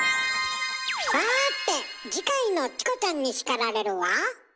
さて次回の「チコちゃんに叱られる」は？